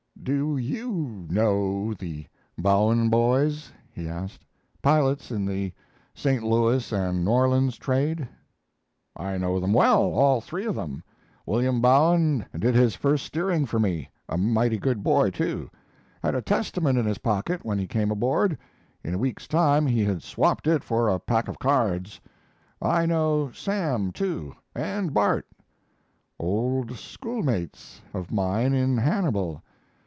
"Do you know the Bowen boys?" he asked "pilots in the St. Louis and New Orleans trade?" "I know them well all three of them. William Bowen did his first steering for me; a mighty good boy, too. Had a Testament in his pocket when he came aboard; in a week's time he had swapped it for a pack of cards. I know Sam, too, and Bart." "Old schoolmates of mine in Hannibal.